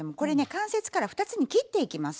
関節から２つに切っていきます。